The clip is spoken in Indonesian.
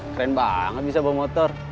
keren banget bisa bawa motor